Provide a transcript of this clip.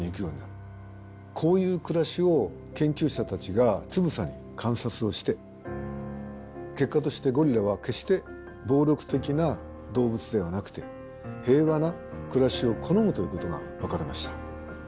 こういう暮らしを研究者たちがつぶさに観察をして結果としてゴリラは決して暴力的な動物ではなくて平和な暮らしを好むということが分かりました。